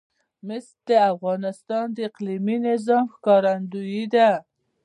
مس د افغانستان د اقلیمي نظام ښکارندوی ده.